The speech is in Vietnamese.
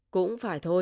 cũng phải thôi